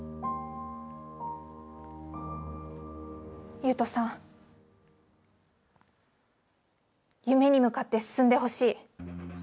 佑都さん、夢に向かって進んでほしい。